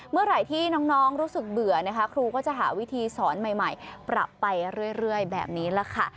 เมื่อไหร่ที่น้องรู้สึกเบื่อนะคะครูก็จะหาวิธีสอนใหม่ปรับไปเรื่อยแบบนี้แหละค่ะ